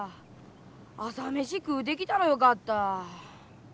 朝飯食うてきたらよかった。